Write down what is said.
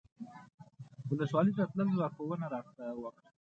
ولسوالۍ ته د تللو لارښوونه راته وکړه.